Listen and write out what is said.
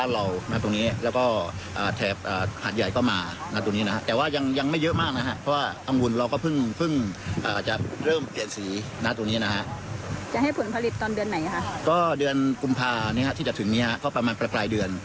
ก็เดือนกุมภาพันธุ์ที่จะถึงนี้ประมาณประปลายเดือน